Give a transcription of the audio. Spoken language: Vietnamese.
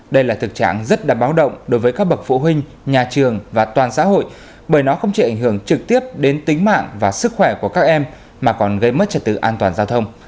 đây là thực trạng rất là báo động đối với các bậc phụ huynh nhà trường và toàn xã hội bởi nó không chỉ ảnh hưởng trực tiếp đến tính mạng và sức khỏe của các em mà còn gây mất trật tự an toàn giao thông